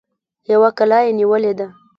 يوه کلا يې نيولې ده.